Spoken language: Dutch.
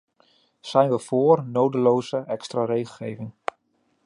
Zijn we voor nodeloze, extra regelgeving?